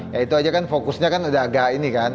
ya itu aja kan fokusnya kan ada agak ini kan